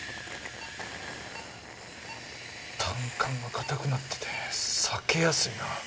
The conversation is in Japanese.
胆管が硬くなってて裂けやすいな。